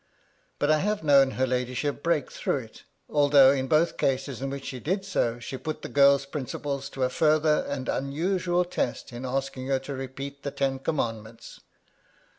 But I have known her ladyship break through it, although in both cases in which she did so she put the girl's prin ciples to a further and unusual test in asking her to repeat the Ten Commandments.